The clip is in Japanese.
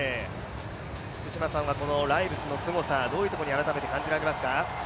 福島さんはライルズのすごさ、改めてどういったところに感じられますか？